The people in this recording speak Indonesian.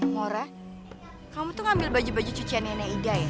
maura kamu tuh ngambil baju baju cucian nenek ida ya